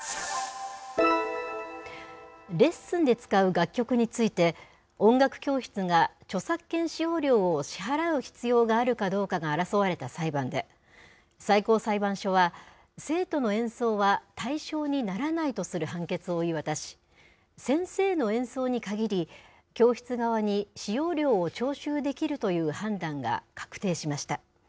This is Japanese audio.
レッスンで使う楽曲について、音楽教室が著作権使用料を支払う必要があるかどうかが争われた裁判で、最高裁判所は、生徒の演奏は対象にならないとする判決を言い渡し、先生の演奏に限り、教室側に使用料を徴収できるという判断が確定しました。